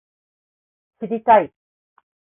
知りたい